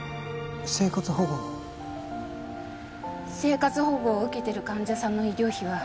生活保護を受けてる患者さんの医療費は